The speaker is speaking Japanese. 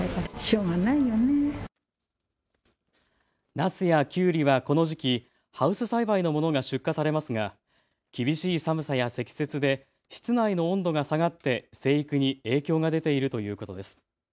なすやきゅうりはこの時期、ハウス栽培のものが出荷されますが厳しい寒さや積雪で室内の温度が下がって生育に影響が出ているということです。